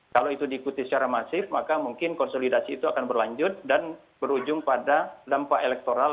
kalau itu diikuti secara masif maka mungkin konsolidasi itu akan berlanjut dan berujung pada dampak elektoral